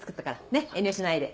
ねっ遠慮しないで。